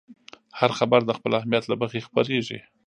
هر خبر د خپل اهمیت له مخې خپرېږي.